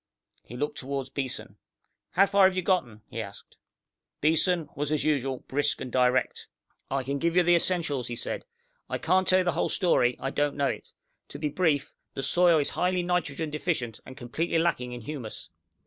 He looked toward Beeson. "How far have you gotten?" he asked. Beeson was, as usual, brisk and direct. "I can give you the essentials," he said. "I can't tell you the whole story. I don't know it. To be brief, the soil is highly nitrogen deficient, and completely lacking in humus.